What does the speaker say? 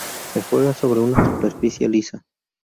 Se juega sobre una superficie lisa.